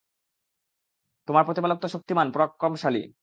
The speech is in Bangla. তোমার প্রতিপালক তো শক্তিমান, পরাক্রমশালী।